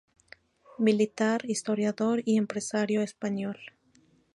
Militar, historiador y empresario español.